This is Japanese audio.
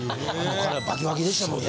体バキバキでしたもんね。